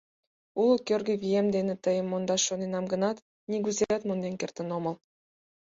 Уло кӧргӧ вием дене тыйым мондаш шоненам гынат, нигузеат монден кертын омыл...